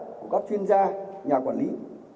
của các chuyên gia nhà quản lý